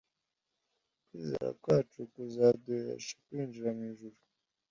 kwizera kwacu kuzaduhesha kwinjira mw’ijuru